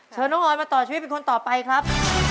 เชิญน้องออยมาต่อชีวิตเป็นคนต่อไปครับ